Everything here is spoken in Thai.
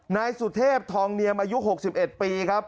นายสุเทพทองเนียมอายุ๖๑ปีครับ